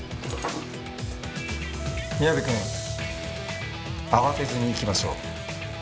宮部君慌てずにいきましょう。